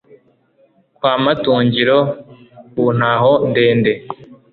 Kwa Matungiro ku Ntaho-ndende*.